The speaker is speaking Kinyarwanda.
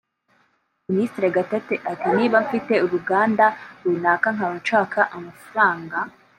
Minisitiri Gatete ati “niba mfite uruganda runaka nkaba nshaka amafaranga